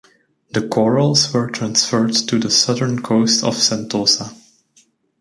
The corals were transferred to the southern coast of Sentosa.